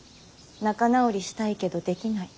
仲直りしたいけどできない。